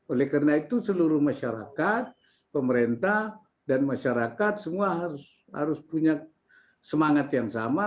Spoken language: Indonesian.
oleh karena itu seluruh masyarakat pemerintah dan masyarakat semua harus punya semangat yang sama